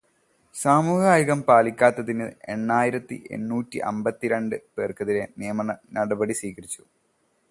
സാമൂഹിക അകലം പാലിക്കാത്തതിന് എണ്ണായിരത്തി എണ്ണൂറ്റി അമ്പത്തി രണ്ടു പേര്ക്കെതിരെ നിയമനടപടി സ്വീകരിച്ചു.